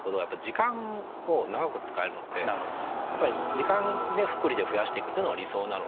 時間で複利で増やしていくのが理想なので。